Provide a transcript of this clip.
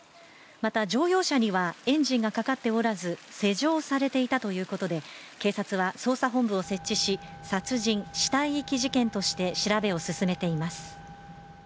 また乗用車にはエンジンがかかっておらず施錠されていたということで警察は捜査本部を設置し殺人・死体遺棄事件として調べを進めています。